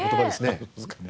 そうですかね。